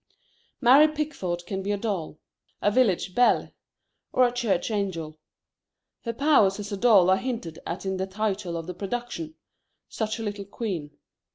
Mary Pickford can be a doll, a village belle, or a church angel. Her powers as a doll are hinted at in the title of the production: Such a Little Queen.